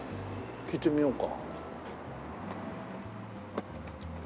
聞いてみようか。